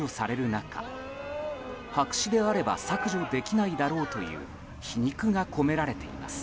中白紙であれば削除できないだろうという皮肉が込められています。